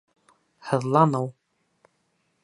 Һыҙланыу